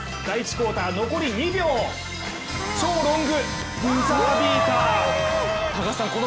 第１クオーター、残り２秒超ロングブザービーター。